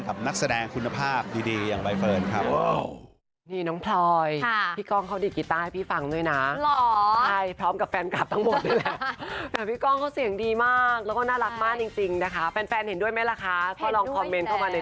นักแสดงคุณภาพดีอย่างใบเฟิร์นครับ